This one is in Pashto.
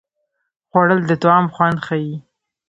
خوړل د طعام خوند ښيي